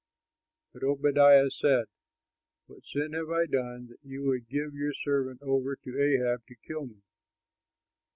'" But Obadiah said, "What sin have I done, that you would give your servant over to Ahab to kill me?